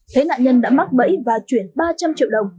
thấy nạn nhân đã mắc bẫy và chuyển ba trăm linh triệu đồng